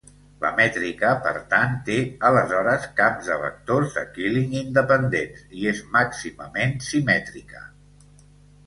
La mètrica, per tant té aleshores camps de vectors de Killing independents i és màximament simètrica.